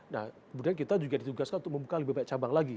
nah kemudian kita juga ditugaskan untuk membuka lebih banyak cabang lagi